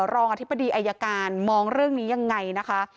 อธิบดีอายการมองเรื่องนี้ยังไงนะคะ